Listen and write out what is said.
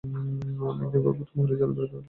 আমি একজন গর্ভবতী মহিলার চলাফেরা থেকে বলতে পারি।